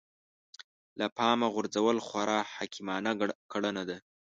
له پامه غورځول خورا حکيمانه کړنه ده.